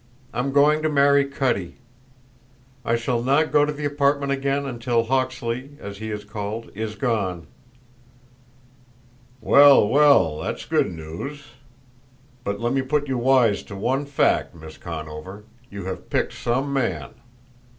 I'm going to marry Cutty. I shall not go to the apartment again until Hawksley, as he is called, is gone." "Well, well; that's good news! But let me put you wise to one fact, Miss Conover: you have picked some man!